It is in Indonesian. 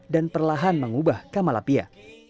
dan perlahan mengubah kamalapia